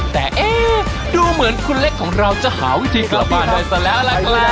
แต่เอ๊ะดูเหมือนคุณเล็กของเราจะหาวิธีกลับบ้านได้ซะแล้วล่ะครับ